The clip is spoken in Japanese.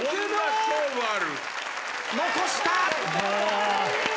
残した。